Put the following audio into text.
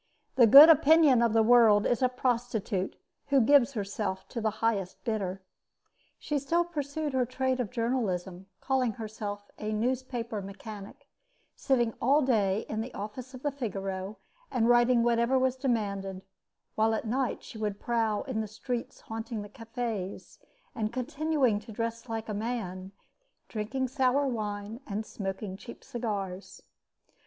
The good opinion of the world is a prostitute who gives herself to the highest bidder. She still pursued her trade of journalism, calling herself a "newspaper mechanic," sitting all day in the office of the Figaro and writing whatever was demanded, while at night she would prowl in the streets haunting the cafes, continuing to dress like a man, drinking sour wine, and smoking cheap cigars.